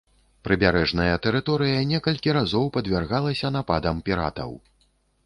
Прыбярэжная тэрыторыя некалькі разоў падвяргалася нападам піратаў.